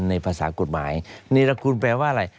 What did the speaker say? ในภาษากฎหมายเนรคุณแปลว่าอะไร